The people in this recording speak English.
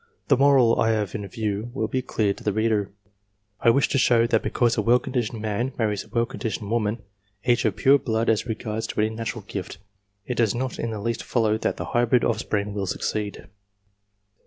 //The moral I have in view will be clear to the reader. I /wish to show that because a well conditioned man marries /a well conditioned woman, each of pure blood as regards ] any natural gift, it does not in the least follow that the I hybrid offspring will succeed.